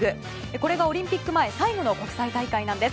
これがオリンピック前最後の国際大会なんです。